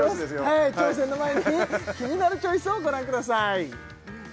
はい挑戦の前に「キニナルチョイス」をご覧ください